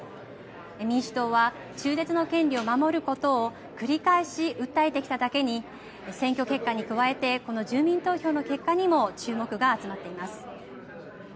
民主党は中絶の権利を守ることを繰り返し訴えてきただけに選挙結果に加えてこの住民投票の結果にも注目が集まっています。